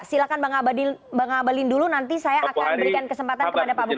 silahkan bang abalin dulu nanti saya akan berikan kesempatan kepada pak bupati